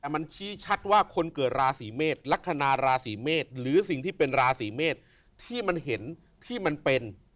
มันชี้ชัดว่าคนเกิดราศีเมษลักษณะราศีเมษหรือสิ่งที่เป็นราศีเมษที่มันเห็นที่มันเป็น